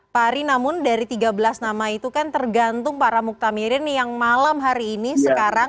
pak ari namun dari tiga belas nama itu kan tergantung para muktamirin yang malam hari ini sekarang